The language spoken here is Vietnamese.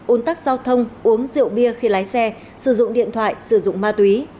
ún tắc giao thông uống rượu bia khi lái xe sử dụng điện thoại sử dụng ma túy